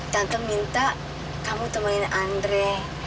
tante minta kamu temanin andre